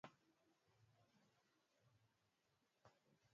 au unaweza kutokana naUchafuzi wa hewa unaweza kutoka moja